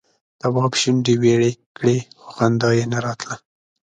تواب شونډې ويړې کړې خو خندا یې نه راتله.